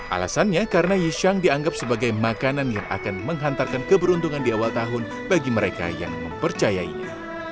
alasannya karena yishang dianggap sebagai makanan yang akan menghantarkan keberuntungan di awal tahun bagi mereka yang mempercayainya